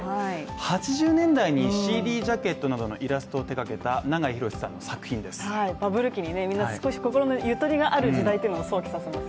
８０年代にＣＤジャケットなどのイラストを手がけた永井博さんの作品ですはい、バブル期にねみんな少し心のゆとりがある時代を想起させます。